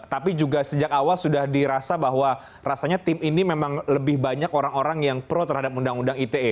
tapi juga sejak awal sudah dirasa bahwa rasanya tim ini memang lebih banyak orang orang yang pro terhadap undang undang ite